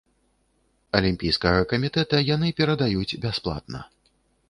Алімпійскага камітэта яны перадаюць бясплатна.